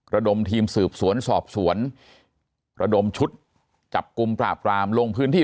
ระดมทีมสืบสวนสอบสวนระดมชุดจับกลุ่มปราบรามลงพื้นที่